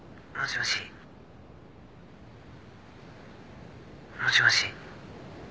もしもし？